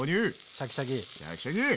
シャキシャキ！